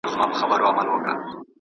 زه ليک نه لولم!.